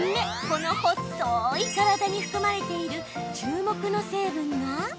この細い体に含まれている注目の成分が。